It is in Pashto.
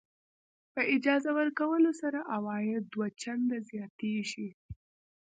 په اجاره ورکولو سره عواید دوه چنده زیاتېږي.